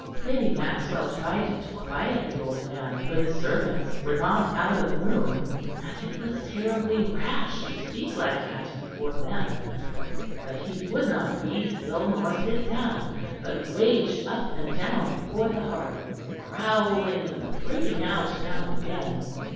Lady Maxwell tried to quiet the old man, for the servants were not out of the room; and it was terribly rash to speak like that before them; but he would not be still nor sit down, but raged up and down before the hearth, growling and breaking out now and again.